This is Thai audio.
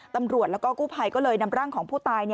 ตำรวจแล้วก็กู้ภัยก็เลยนำร่างของผู้ตาย